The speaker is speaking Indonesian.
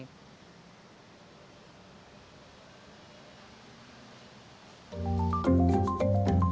terlebih di kawasan yang tersebar